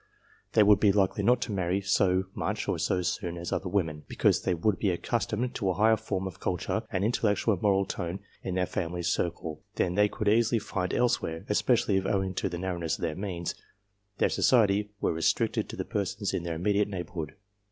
They would be likely not to marry so much or so soon as other women, because they would be accustomed to a higher form of culture and intellectual and moral tone in their family circle, than they could easily find elsewhere, especially if, owing to the narrowness of their means, their society were restricted to the persons in their immediate neighbourhood.